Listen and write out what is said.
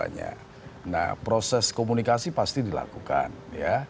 nah proses komunikasi pasti dilakukan ya